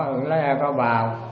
ứng lấy ai có bào